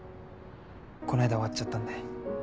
この間割っちゃったんで。